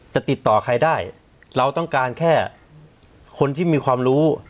ติดต่อใครได้เราต้องการแค่คนที่มีความรู้